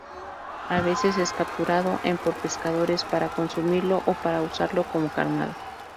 A veces es capturado en por pescadores para consumirlo o para usarlo como carnada.